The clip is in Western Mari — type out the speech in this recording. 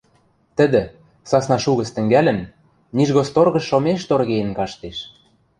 Тӹдӹ, сасна шу гӹц тӹнгӓлӹн, Нижгосторгыш шомеш торгеен каштеш.